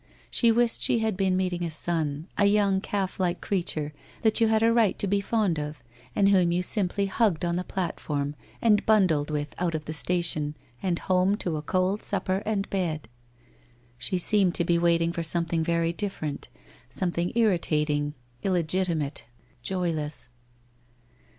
She wished she had been meeting a son, a young calf like creature that you had a right to be fond of and whom you simply hugged on the platform and bundled with out of the station, and home to a cold supper and bed. She seemed to be waiting for something very different, something irritating, illegiti mate, joyless.